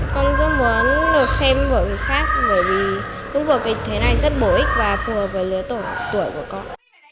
con rất muốn được xem vở kịch khác bởi vì vở kịch thế này rất bổ ích và phù hợp với lứa tuổi của con